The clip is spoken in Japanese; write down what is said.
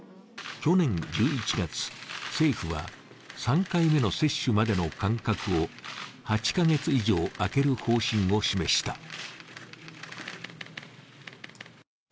去年１１月、政府は３回目の接種までの間隔を８カ月以上空ける方針を示した。